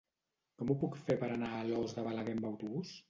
Com ho puc fer per anar a Alòs de Balaguer amb autobús?